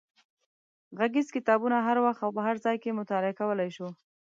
غږیز کتابونه هر وخت او په هر ځای کې مطالعه کولای شو.